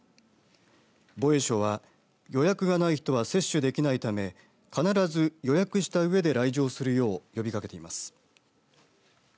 防衛省は予約がない人は接種できないため必ず予約したうえで来場するよう呼びかけています。